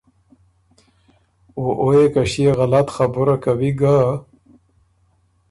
او او يې که ݭيې غلط خبُره کوی ګه،